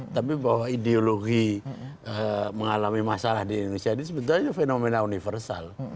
tapi bahwa ideologi mengalami masalah di indonesia ini sebenarnya fenomena universal